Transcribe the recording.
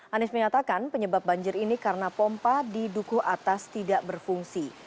anies menyatakan penyebab banjir ini karena pompa di duku atas tidak berfungsi